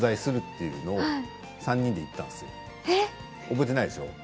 覚えていないでしょうか？